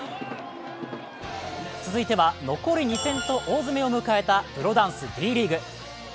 続いては、残り２戦と大詰めを迎えたプロダンスＤリーグ。